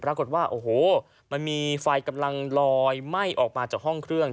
ปรากฏว่าโอ้โหมันมีไฟกำลังลอยไหม้ออกมาจากห้องเครื่อง